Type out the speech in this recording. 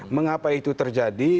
mengapa itu terjadi